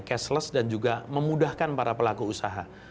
cashless dan juga memudahkan para pelaku usaha